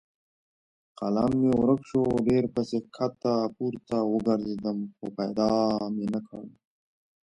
قلم مې ورک شو؛ ډېر پسې کښته پورته وګرځېدم خو پیدا مې نه کړ.